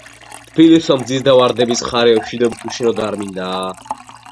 თბილისო მზის და ვარდების მხარეო მშვიდობით უშენოდ არ მინდაააა